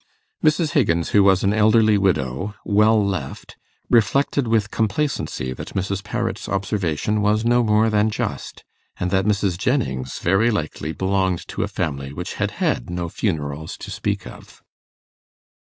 Mrs. Higgins, who was an elderly widow, 'well left', reflected with complacency that Mrs. Parrot's observation was no more than just, and that Mrs. Jennings very likely belonged to a family which had had no funerals to speak of.